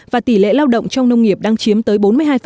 và tỷ lệ lao động trong nông nghiệp đang chiếm tới bốn mươi hai